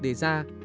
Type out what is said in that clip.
kế hoạch đề ra